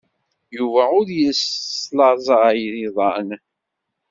Yuba ur yeslaẓay iḍan.